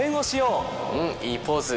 うんいいポーズ。